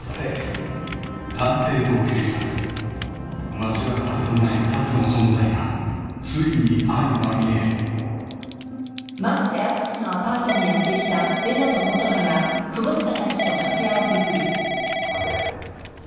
［交わるはずのない２つの存在がついに相まみえる］長谷部。